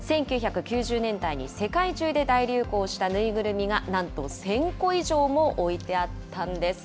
１９９０年代に世界中で大流行した縫いぐるみがなんと１０００個以上も置いてあったんです。